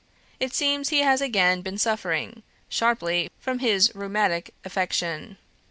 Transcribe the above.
It seems he has again been suffering sharply from his rheumatic affection.